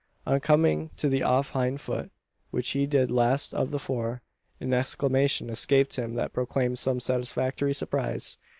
On coming to the off hind foot which he did last of the four an exclamation escaped him that proclaimed some satisfactory surprise.